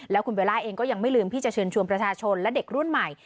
แล้วคุณเบลล่าเองก็ยังไม่ลืมที่จะเชิญชวนประชาชนและเด็กรุ่นใหม่